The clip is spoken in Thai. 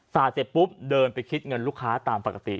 เสร็จปุ๊บเดินไปคิดเงินลูกค้าตามปกติ